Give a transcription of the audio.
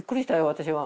私は。